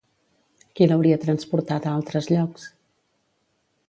Qui l'hauria transportat a altres llocs?